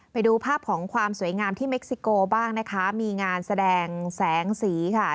ไปดูภาพของความสวยงามที่เม็กซิโกบ้างนะคะมีงานแสดงแสงสีค่ะ